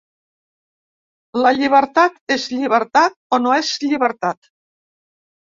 La llibertat és llibertat o no és llibertat.